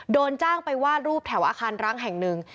โดนจ้างไปวาดรูปแถวอาคารร้างแห่งหนึ่ง